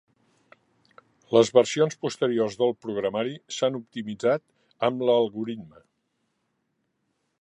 Les versions posteriors del programari s'han optimitzat amb l'algoritme.